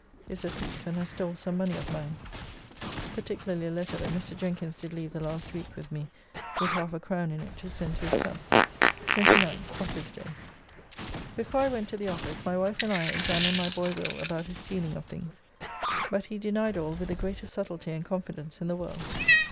] is a thief and has stole some money of mine, particularly a letter that Mr. Jenkins did leave the last week with me with half a crown in it to send to his son. 29th (Office day). Before I went to the office my wife and I examined my boy Will about his stealing of things, but he denied all with the greatest subtlety and confidence in the world.